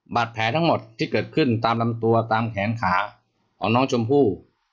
บาดแผลทั้งหมดที่เกิดขึ้นตามลำตัวตามแขนขาของน้องชมพู่